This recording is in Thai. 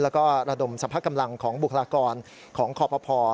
แล้วก็ระดมสรรพากำลังของบุคลากรของครอบครัวพอ